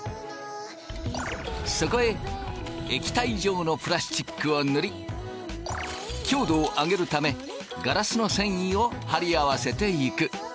そこへ液体状のプラスチックを塗り強度を上げるためガラスの繊維を張り合わせていく。